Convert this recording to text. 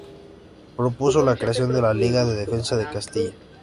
Propuso la creación de la Liga de Defensa de Castilla.